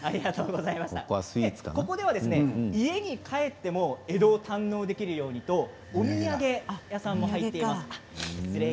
ここでは家に帰っても江戸を堪能できるようにとお土産屋さんがあります。